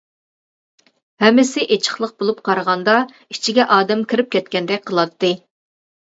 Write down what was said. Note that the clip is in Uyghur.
ھەممىسى ئېچىقلىق بولۇپ قارىغاندا ئىچىگە ئادەم كىرىپ كەتكەندەك قىلاتتى.